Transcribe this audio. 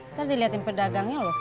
ntar diliatin pedagangnya loh